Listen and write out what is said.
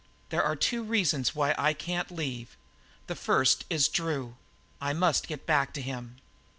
"There are two reasons why I can't leave. The first is Drew. I must get back to him."